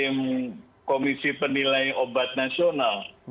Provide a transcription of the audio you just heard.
badan pom juga sudah melakukan penilaian obat nasional